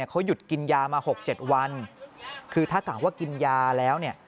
เขาหยุดกินยามา๖๗วันคือถ้าถามว่ากินยาแล้วเนี่ย